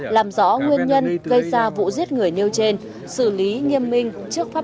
làm rõ nguyên nhân gây ra vụ giết người nêu trên xử lý nghiêm minh trước pháp